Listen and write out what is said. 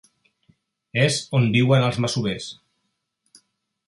És on viuen els masovers.